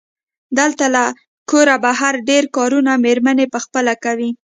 دلته له کوره بهر ډېری کارونه مېرمنې پخپله کوي.